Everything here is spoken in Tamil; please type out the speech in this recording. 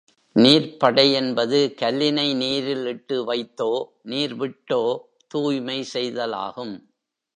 நீர்ப்படை என்பது கல்லினை நீரில் இட்டு வைத்தோ நீர் விட்டோ தூய்மை செய்தலாகும்.